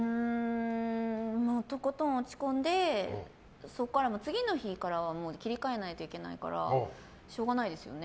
とことん落ち込んでそこから、次の日からはもう切り替えないといけないからしょうがないですよね。